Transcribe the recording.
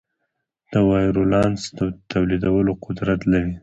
د وایرولانس د تولیدولو قدرت لري.